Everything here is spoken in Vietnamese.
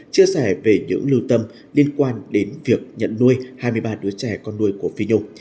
chia sẻ về những lưu tâm liên quan đến việc nhận nuôi hai mươi ba đứa trẻ con nuôi của phi nhung